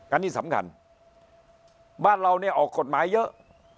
อันนี้สำคัญบ้านเราเนี่ยออกกฎหมายเยอะ